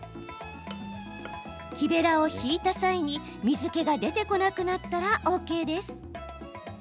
木べらを引いた際に、水けが出てこなくなったらＯＫです。